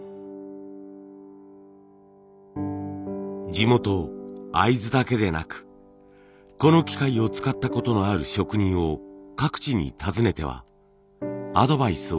地元会津だけでなくこの機械を使ったことのある職人を各地に訪ねてはアドバイスを受けました。